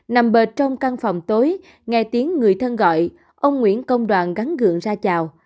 nằm bên trong căn phòng tối nghe tiếng người thân gọi ông nguyễn công đoàn gắn gượng ra chào